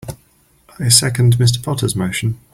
I second Mr. Potter's motion.